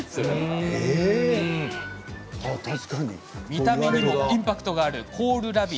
見た目もインパクトがあるコールラビ。